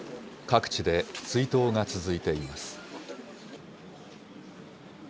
各地で追悼が続いています。